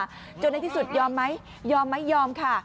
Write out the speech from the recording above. ให้มันเลื้อยออกมาจนในที่สุดยอมไหมยอมไหมยอมค่ะ